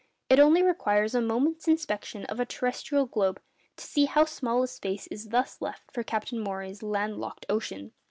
It only requires a moment's inspection of a terrestrial globe to see how small a space is thus left for Captain Maury's land locked ocean.